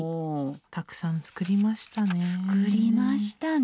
たくさん作りましたね。